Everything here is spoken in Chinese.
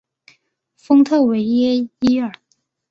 丰特维耶伊尔。